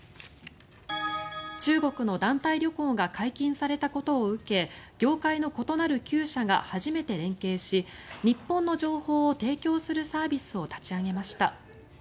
中国の団体旅行が解禁されたことを受け業界の異なる９社が初めて連携し日本の情報を提供するサービスを立ち上げました。